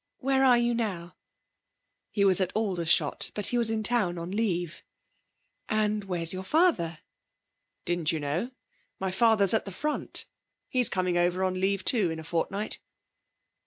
Where are you now?' He was at Aldershot, but was in town on leave. 'And where's your father?' 'Didn't you know? My father's at the front. He's coming over on leave, too, in a fortnight.'